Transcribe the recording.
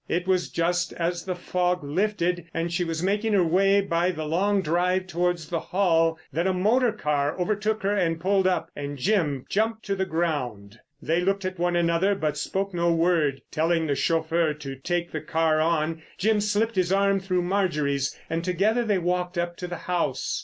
It was just as the fog lifted and she was making her way by the long drive towards the Hall that a motor car overtook her and pulled up, and Jim jumped to the ground. They looked at one another, but spoke no word. Telling the chauffeur to take the car on, Jim slipped his arm through Marjorie's, and together they walked up to the house.